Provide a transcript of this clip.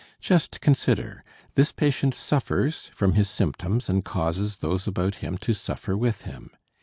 Just consider, this patient suffers from his symptoms and causes those about him to suffer with him.